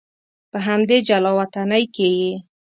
په همدې جلا وطنۍ کې یې.